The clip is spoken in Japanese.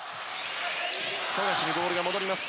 富樫にボールが戻ります。